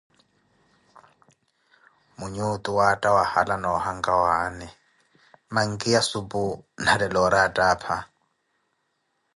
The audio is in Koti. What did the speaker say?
mwinyi otu waatta wahala na ohankawaani, mankini ya supu nalelo ori attapha.